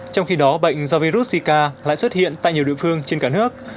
trong khi đó bệnh do virus zika lại xuất hiện tại nhiều địa phương trên cả nước